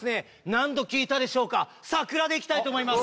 何度聴いたでしょうか「さくら」でいきたいと思います